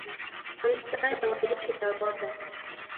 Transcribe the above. kwa msaada wa jeshi la Rwanda